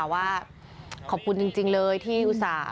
ว่าขอบคุณจริงเลยที่อุตส่าห์